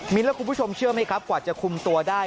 และคุณผู้ชมเชื่อไหมครับกว่าจะคุมตัวได้